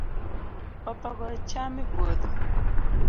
Koth ogoyo cham e puodho